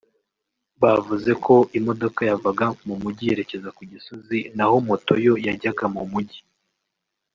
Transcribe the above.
bavuze ko imodoka yavaga mu mujyi yerekeza ku Gisozi naho moto yo yajyaga mu mujyi